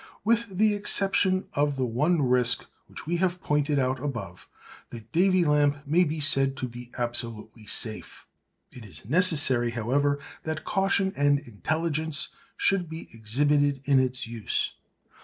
With the exception of the one risk which we have pointed out above, the Davy lamp may be said to be absolutely safe. It is necessary, however, that caution and intelligence should be exhibited in its use.